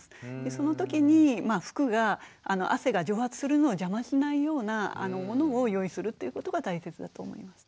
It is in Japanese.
その時に服が汗が蒸発するのを邪魔しないようなものを用意するということが大切だと思います。